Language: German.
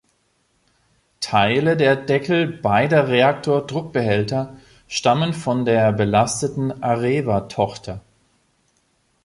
Teile der Deckel beider Reaktordruckbehälter stammen von der belasteten Areva-Tochter.